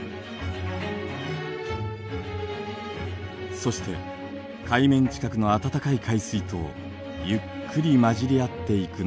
そして海面近くの暖かい海水とゆっくり混じり合っていくのです。